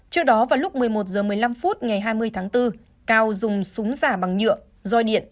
trước đó vào lúc một mươi một h một mươi năm phút ngày hai mươi tháng bốn cao dùng súng giả bằng nhựa roi điện